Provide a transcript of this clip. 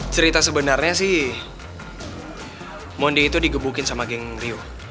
cerita sebenarnya sih mondi itu digebukin sama geng rio